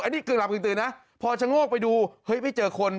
อันนี้กึ่งหลับกึ่งตื่นนะพอชะโงกไปดูเฮ้ยไม่เจอคน